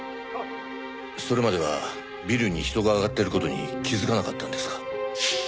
それまではビルに人が上がっている事に気づかなかったんですか？